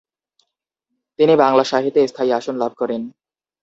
তিনি বাংলা সাহিত্যে স্থায়ী আসন লাভ করেন।